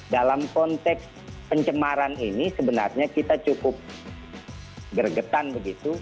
dalam konteks pencemaran ini sebenarnya kita cukup gregetan begitu